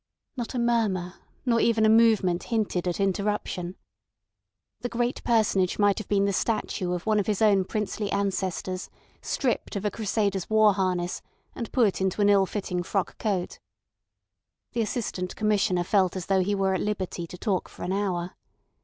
Not a murmur nor even a movement hinted at interruption. The great Personage might have been the statue of one of his own princely ancestors stripped of a crusader's war harness, and put into an ill fitting frock coat. The Assistant Commissioner felt as though he were at liberty to talk for an hour.